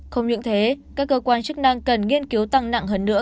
không những thế các cơ quan chức năng cần nghiên cứu tăng nặng hơn nữa